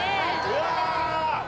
うわ！